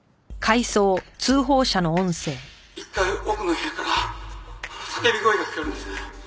「１階奥の部屋から叫び声が聞こえるんです」